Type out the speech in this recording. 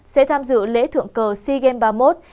sẽ tham dự lễ thượng cờ sea games ba mươi một